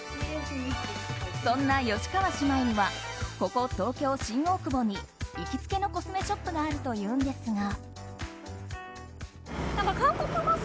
そんな吉川姉妹にはここ東京・新大久保に行きつけのコスメショップがあるというんですが。